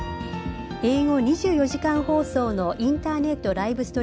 英語２４時間放送のインターネットライブ